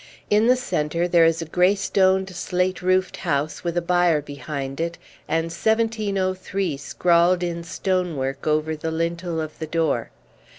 In the centre there is a grey stoned slate roofed house with a byre behind it, and "1703" scrawled in stonework over the lintel of the door.